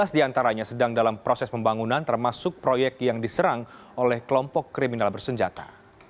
tiga belas diantaranya sedang dalam proses pembangunan termasuk proyek yang diserang oleh kelompok kriminal bersenjata